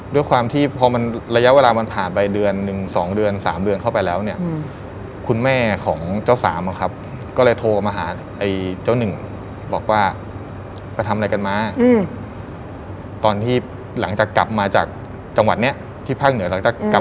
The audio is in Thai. ด้วยความที่ตัวเองเริ่มมีลูกแล้ว